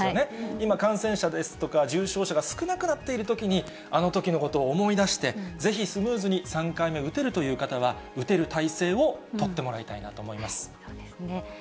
今、感染者ですとか、重症者が少なくなっているときに、あのときのことを思い出して、ぜひ、スムーズに３回目打てるという方は、打てる態勢を取ってもらいたいなと思います。